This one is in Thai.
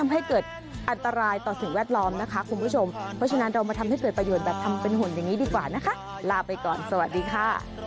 ให้เกิดอันตรายต่อสิ่งแวดล้อมนะคะคุณผู้ชมเพราะฉะนั้นเรามาทำให้เกิดประโยชน์แบบทำเป็นห่วงอย่างนี้ดีกว่านะคะลาไปก่อนสวัสดีค่ะ